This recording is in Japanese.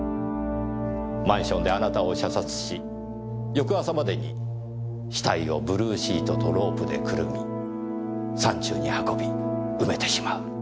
マンションであなたを射殺し翌朝までに死体をブルーシートとロープでくるみ山中に運び埋めてしまう。